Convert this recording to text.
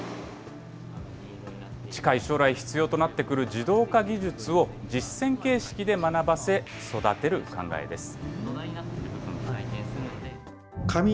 近い将来必要となってくる自動化技術を、実践形式で学ばせ、育てる考えです。